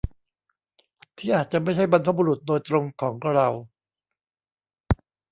ที่อาจจะไม่ใช่บรรพบุรุษโดยตรงของเรา